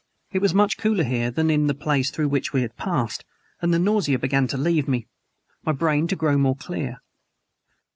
It was much cooler here than in the place through which we had passed, and the nausea began to leave me, my brain to grow more clear.